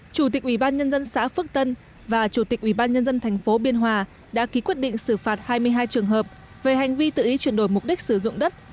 chủ tịch ủy ban nhân dân xã phước tân và chủ tịch ủy ban nhân dân tp biên hòa đã ký quyết định xử phạt hai mươi hai trường hợp về hành vi tự ý chuyển đổi mục đích sử dụng đất